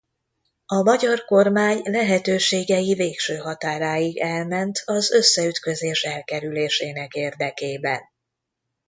A magyar kormány lehetőségei végső határáig elment az összeütközés elkerülésének érdekében.